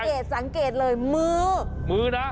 สังเกตสังเกตเลยมือมือนะ